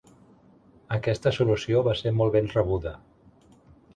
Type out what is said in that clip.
Aquesta solució va ser molt ben rebuda.